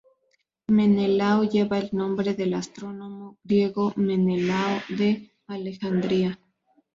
Menelao lleva el nombre del astrónomo griego Menelao de Alejandría.